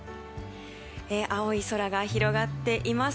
青い空が広がっています。